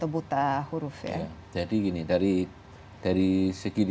buta huruf itu yang ada di